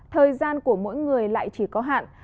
thời gian của mỗi người lại chỉ có hạn